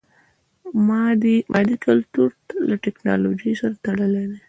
مادي کلتور له ټکنالوژي سره تړلی دی.